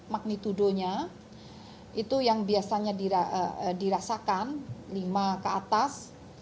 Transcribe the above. magnitudonya itu yang biasanya dirasakan lima ke atas